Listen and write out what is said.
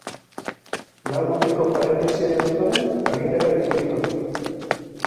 Lau urteko parentesiaren ondoren, agintera itzuliko da.